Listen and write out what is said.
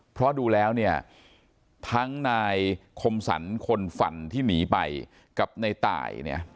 เพราะดูแล้วเนี่ยทั้งนายคมสรรคนฟันที่หนีไปกับในตายเนี่ย